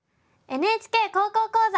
「ＮＨＫ高校講座」。